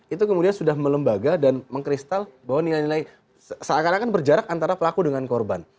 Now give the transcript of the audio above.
itu kemudian sudah melembaga dan mengkristal bahwa nilai nilai seakan akan berjarak antara pelaku dengan korban